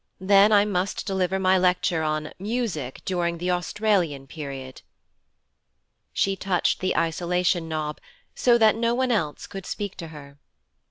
Then I must deliver my lecture on "Music during the Australian Period".' She touched the isolation knob, so that no one else could speak to her.